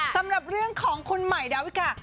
สำหรับเรื่องของคุณใหม่ดาวิกา